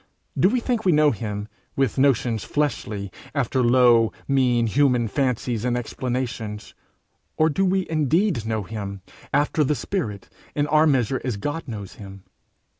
Do we think we know him with notions fleshly, after low, mean human fancies and explanations, or do we indeed know him after the spirit, in our measure as God knows him?